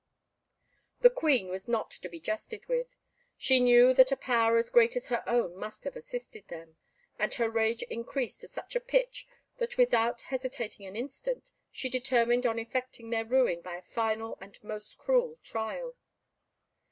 The Queen was not to be jested with. She knew that a power as great as her own must have assisted them, and her rage increased to such a pitch, that without hesitating an instant, she determined on effecting their ruin by a final and most cruel trial.